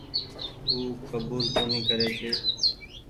او ڪبول ڪونيٚ ڪري ڇي۔